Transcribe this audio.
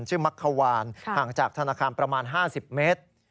มักขวานห่างจากธนาคารประมาณ๕๐เมตร